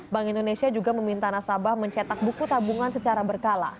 bank indonesia juga meminta nasabah mencetak buku tabungan secara berkala